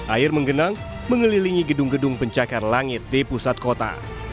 air menggenang mengelilingi gedung gedung pencakar langit di pusat kota